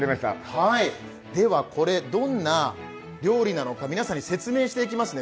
ではこれどんな料理なのか皆さんに説明していきますね。